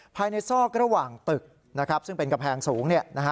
ซอกระหว่างตึกซึ่งเป็นกำแพงสูง